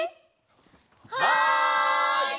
はい！